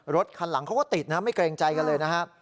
รถคันหลังเขาก็ติดนะไม่เกรงใจกันเลยนะฮะ